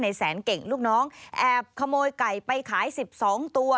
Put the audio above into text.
แสนเก่งลูกน้องแอบขโมยไก่ไปขาย๑๒ตัว